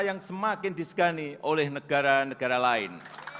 yang semakin disegani oleh negara negara lain